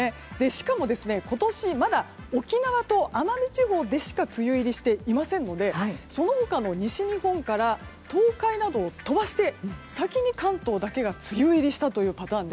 しかも、今年はまだ沖縄と奄美地方でしか梅雨入りしていないのでその他の西日本から東海などを飛ばして先に関東だけが梅雨入りしたというパターン。